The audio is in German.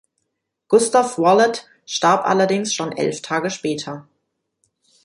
Gustav Wallat starb allerdings schon elf Tage später.